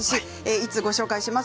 １通ご紹介します。